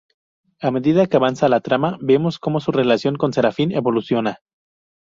A medida que avanza la trama, vemos cómo su relación con Serafín evoluciona.